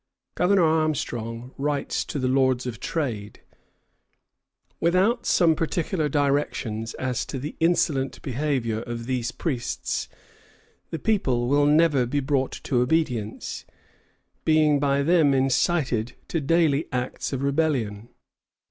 Governor Armstrong writes to the Lords of Trade: "Without some particular directions as to the insolent behavior of those priests, the people will never be brought to obedience, being by them incited to daily acts of rebellion."